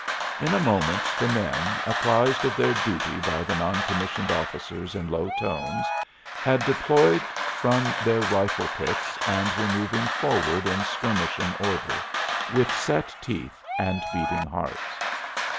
In a moment the men, apprised of their duty by the non commissioned officers in low tones, had deployed from their rifle pits and were moving forward in skirmishing order, with set teeth and beating hearts.